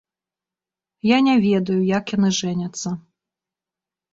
Я не ведаю, як яны жэняцца.